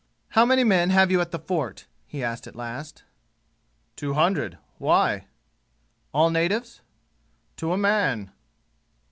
"How many men have you at the fort?" he asked at last. "Two hundred. Why?" "All natives?" "To a man."